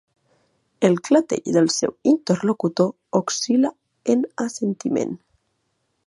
El clatell del seu interlocutor oscil·la en assentiment.